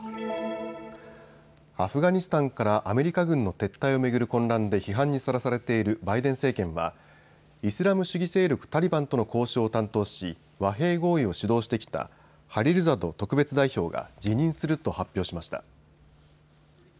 アフガニスタンからアメリカ軍の撤退を巡る混乱で批判にさらされているバイデン政権はイスラム主義勢力タリバンとの交渉を担当し、和平合意を主導してきたハリルザド特別代表が辞任すると発表しました。